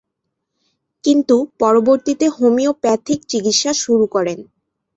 কিন্তু পরবর্তীতে হোমিওপ্যাথিক চিকিৎসা শুরু করেন।